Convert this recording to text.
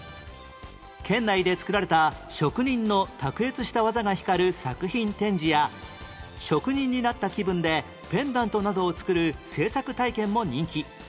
県内で作られた職人の卓越した技が光る作品展示や職人になった気分でペンダントなどを作る制作体験も人気